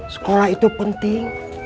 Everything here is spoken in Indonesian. sekolah itu penting